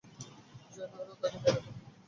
জানি, ওরা তাকে মেরে ফেলবে।